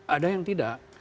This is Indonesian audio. ada yang tidak